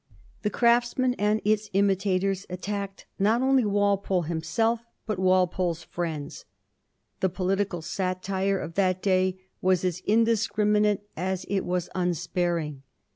The Craftsman and its imitators attacked not only Walpole himself, but Walpole's friends. The political satire of that day was as indiscriminate as it was unsparing.